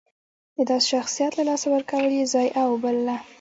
د داسې شخصیت له لاسه ورکول یې ضایعه وبلله.